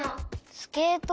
スケート？